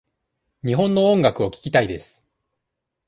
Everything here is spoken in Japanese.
日本の音楽を聞きたいです。